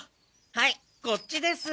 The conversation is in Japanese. はいこっちです。